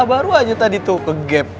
baru aja tadi tuh ke gap